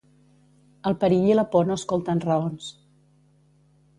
El perill i la por no escolten raons.